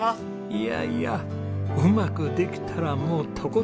いやいやうまくできたらもうとことん手放しで褒める。